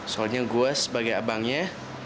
soalnya gue sebagai abangnya